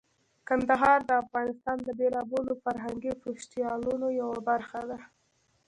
کندهار د افغانستان د بیلابیلو فرهنګي فستیوالونو یوه برخه ده.